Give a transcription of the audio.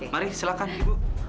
mari silahkan ibu